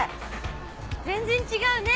全然違うね。